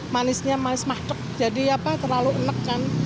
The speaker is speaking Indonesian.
manisnya manis makcik jadi apa terlalu enak kan